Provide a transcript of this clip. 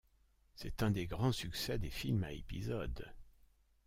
C'est un des grands succès des films à épisodes.